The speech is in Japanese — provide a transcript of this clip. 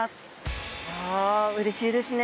あうれしいですね。